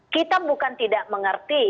kita bukan tidak mengerti